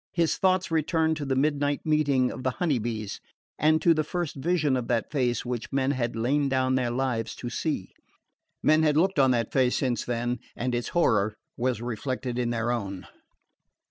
His thoughts returned to the midnight meetings of the Honey Bees, and to the first vision of that face which men had lain down their lives to see. Men had looked on that face since then, and its horror was reflected in their own.